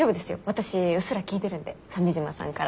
私うっすら聞いてるんで鮫島さんから。